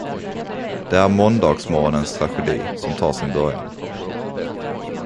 Det är måndagsmorgonens tragedi, som tar sin början.